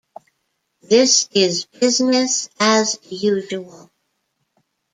This is business as usual.